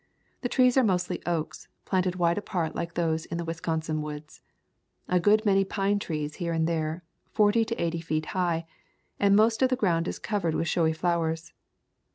The trees are mostly oaks, planted wide apart like those in the Wisconsin woods. A good many pine trees here and there, forty to eighty feet high, and most of the ground is covered with showy flowers.